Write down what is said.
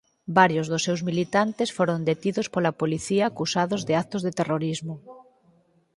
Varios dos seus militantes foron detidos pola policía acusados de actos de terrorismo.